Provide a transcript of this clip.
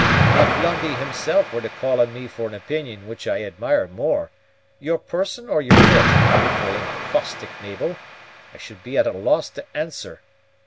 "If Lundie himself were to call on me for an opinion which I admire more, your person or your wit, beautiful and caustic Mabel, I should be at a loss to answer.